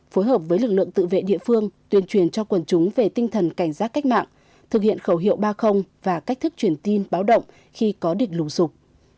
phối hợp với lực lượng tự vệ địa phương tuyên truyền cho quần chúng về tinh thần cảnh giác cách mạng thực hiện khẩu hiệu ba và cách thức truyền tin báo động khi có địch lùng sụp